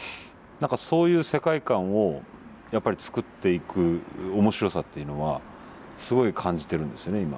何かそういう世界観をつくっていく面白さっていうのはすごい感じているんですよね